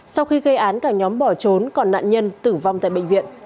sau khi gây án cả nhóm bỏ trốn còn nạn nhân tử vong tại bệnh viện